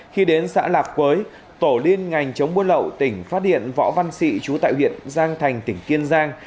khi đến xã lạp quới tổ liên ngành chống mua lậu tỉnh phát điện võ văn sị trú tại huyện giang thành tỉnh kiên giang